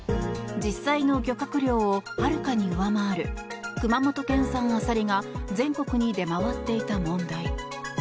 実際の漁獲量を、はるかに上回る熊本県産アサリが全国に出回っていた問題。